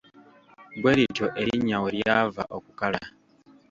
Bwe lityo erinnya we lyava okukala.